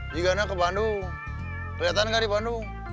jika dia ke bandung kelihatan gak di bandung